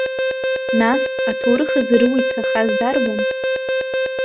Нас, аҭоурых азы рыуа иҭахаз дарбан.